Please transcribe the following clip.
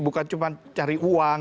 bukan cuma cari uang